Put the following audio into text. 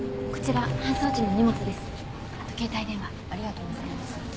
ありがとうございます。